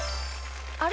あれ？